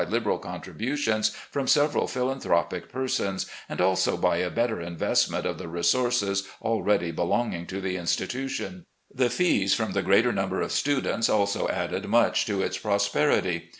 liberal contributions from several philanthropic persons, and also by a better investment of the resources already belonging to the institution. The fees from the greater number of students also added much to its prosperity.